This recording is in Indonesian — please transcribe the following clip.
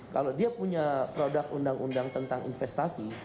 kalau dia punya produk undang undang tentang investasi